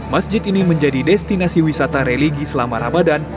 masjid ini menjadi destinasi wisata religi selama ramadan